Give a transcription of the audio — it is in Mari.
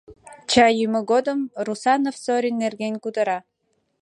Чай йӱмӧ годым Русанов Зорин нерген кутыра.